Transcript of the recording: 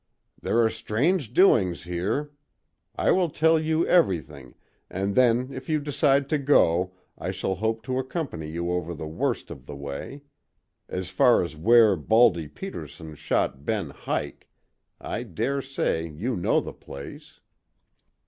"There are strange doings here. I will tell you everything, and then if you decide to go I shall hope to accompany you over the worst of the way; as far as where Baldy Peterson shot Ben Hike—I dare say you know the place."